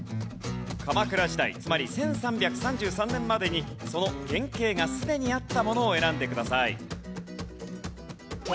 鎌倉時代つまり１３３３年までにその原型がすでにあったものを選んでください。